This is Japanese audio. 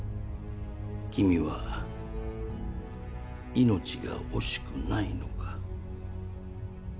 君は命が惜しくないのか？